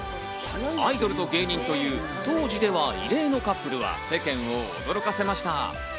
アイドルと芸人という当時では異例のカップルは世間を驚かせました。